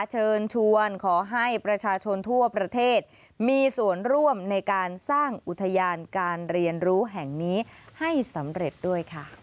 เชิญชวนขอให้ประชาชนทั่วประเทศมีส่วนร่วมในการสร้างอุทยานการเรียนรู้แห่งนี้ให้สำเร็จด้วยค่ะ